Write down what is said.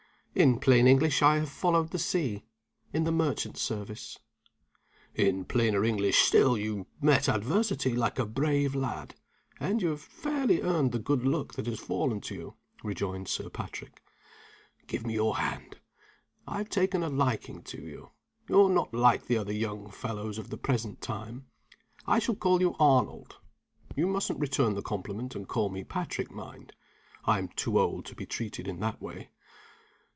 In plain English, I have followed the sea in the merchant service." "In plainer English still, you met adversity like a brave lad, and you have fairly earned the good luck that has fallen to you," rejoined Sir Patrick. "Give me your hand I have taken a liking to you. You're not like the other young fellows of the present time. I shall call you 'Arnold.' You mus'n't return the compliment and call me 'Patrick,' mind I'm too old to be treated in that way.